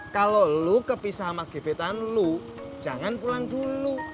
kalau lo kepisah sama gebetan lu jangan pulang dulu